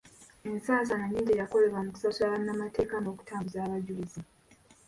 Ensasaanya nyingi eyakolebwa mu kusasula bannamateeka n'okutambuza abajulizi.